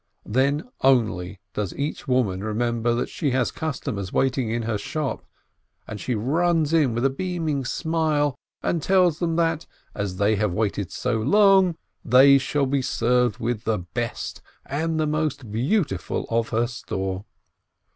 Then only does each woman remember that she has customers waiting in her shop, and she runs in with a beaming smile and tells them that, as they have waited so long, they shall be served with the best and the most beautiful of her store.